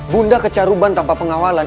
bunda kecaruban tanpa pengawalan